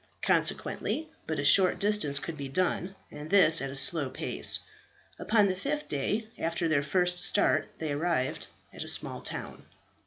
Consequently, but a short distance could be done, and this at a slow pace. Upon the fifth day after their first start they arrived at a small town.